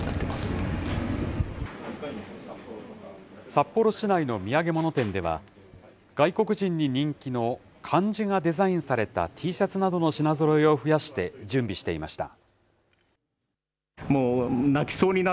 札幌市内の土産物店では、外国人に人気の漢字がデザインされたＴシャツなどの品ぞろえを増やして準備していました。